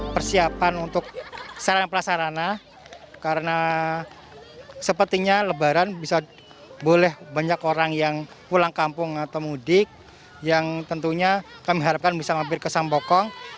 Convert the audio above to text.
persiapan untuk sarana prasarana karena sepertinya lebaran bisa boleh banyak orang yang pulang kampung atau mudik yang tentunya kami harapkan bisa mampir ke sambokong